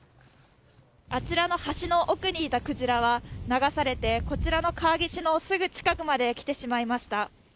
あちらの橋の奥にいたクジラは流されて、こちらの川岸のすぐ近くまで来てしまいました。